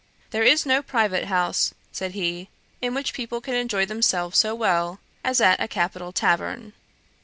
'There is no private house, (said he,) in which people can enjoy themselves so well, as at a capital tavern.